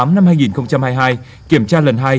năm hai nghìn hai mươi hai kiểm tra lần hai